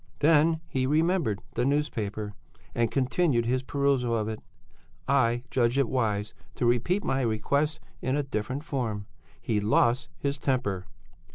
Then he remembered the newspaper and continued his perusal of it. I judged it wise to repeat my request in a different form. He lost his temper.